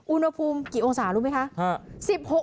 อุณหภูมิกี่องศารู้ไหมคะ